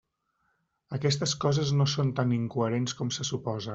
Aquestes coses no són tan incoherents com se suposa.